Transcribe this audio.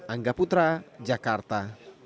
angga putra jakarta